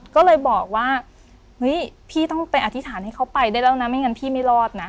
ก็เลยบอกว่าเฮ้ยพี่ต้องไปอธิษฐานให้เขาไปได้แล้วนะไม่งั้นพี่ไม่รอดนะ